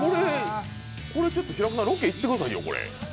これちょっと平子さん、ロケ行ってくださいよ。